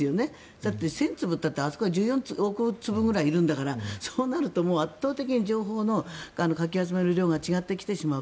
だって１０００粒って言ったってあそこは１４億粒ぐらいいるんだからそうなると、圧倒的に情報のかき集める量が違ってきてしまう。